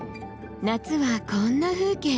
夏はこんな風景。